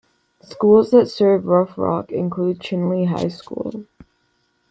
Schools that serve Rough Rock include Chinle High School.